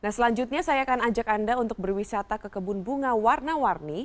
nah selanjutnya saya akan ajak anda untuk berwisata ke kebun bunga warna warni